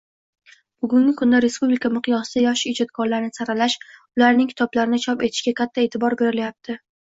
Bugungi kunda respublika miqyosida yosh ijodkorlarni saralash, ularning kitoblarini chop etishga katta eʼtibor berilyapti.